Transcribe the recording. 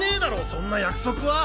そんな約束は！！